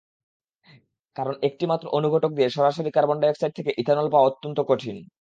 কারণ একটিমাত্র অনুঘটক দিয়ে সরাসরি কার্বন ডাই-অক্সাইড থেকে ইথানল পাওয়া অত্যন্ত কঠিন।